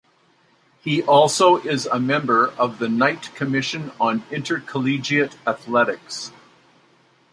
He also is a member of the Knight Commission on Intercollegiate Athletics.